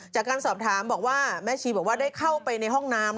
จากการสอบถามบอกว่าแม่ชีบอกว่าได้เข้าไปในห้องน้ำ